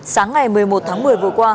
sáng ngày một mươi một tháng một mươi vừa qua